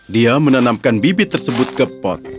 dia menanamkan bibit tersebut ke pot